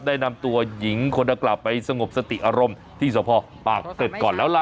ได้นำตัวหญิงคนดังกล่าวไปสงบสติอารมณ์ที่สภปากเกร็ดก่อนแล้วล่ะ